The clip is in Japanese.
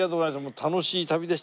楽しい旅でした。